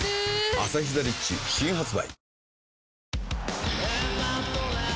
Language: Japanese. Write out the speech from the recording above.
「アサヒザ・リッチ」新発売